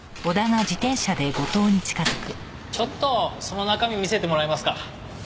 ちょっとその中身見せてもらえますか？